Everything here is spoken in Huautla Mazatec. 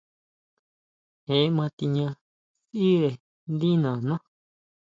Je ma tiña sʼíre ndí nana.